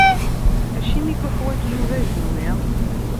Acimi i yeḥwaǧ Yuba ajenwi?